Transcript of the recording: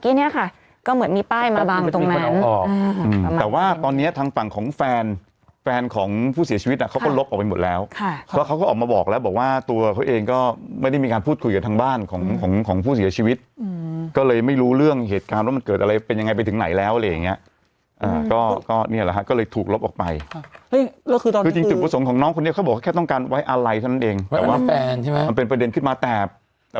เชื่อว่าเป็นงูเจ้าที่มาดูลิเกอืมนักเสียงโชคก็ไม่พลาดนะฮะ